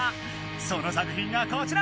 その作ひんがこちら！